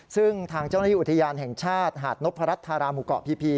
ซึ่งทางเจ้าหน้าที่อุทยานแห่งชาติหาดนพรัชธาราหมู่เกาะพี